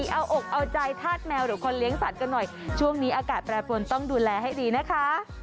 เอาอกเอาใจธาตุแมวหรือคนเลี้ยงสัตว์กันหน่อยช่วงนี้อากาศแปรปรวนต้องดูแลให้ดีนะคะ